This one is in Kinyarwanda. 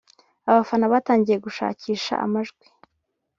abafana batangiye gushakisha amajwi